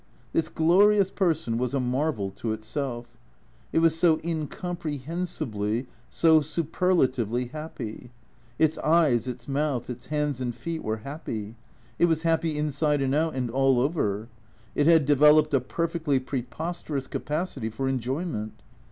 This glorious person was a marvel to itself. It was so in comprehensibly, so superlatively happy. Its eyes, its mouth, its hands and feet were happy. It was happy inside and out and all over. It had developed a perfectly preposterous capacity for enjoyment.